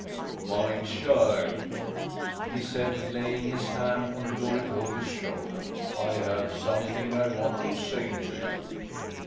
"My child," he said, laying his hand on Glory Goldie's shoulder, "I have something I want to say to you.